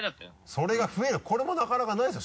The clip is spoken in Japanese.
それが増えるこれもなかなかないでしょ。